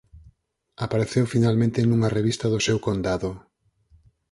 Apareceu finalmente nunha revista do seu condado.